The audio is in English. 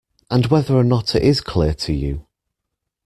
And whether or not it is clear to you